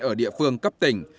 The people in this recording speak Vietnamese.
ở địa phương cấp tỉnh